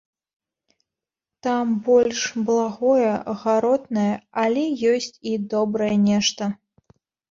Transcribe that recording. Там больш благое, гаротнае, але ёсць і добрае нешта.